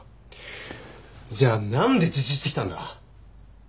じゃあなんで自首してきたんだ？